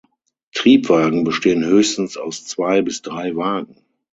Triebwagen bestehen höchstens aus zwei bis drei Wagen.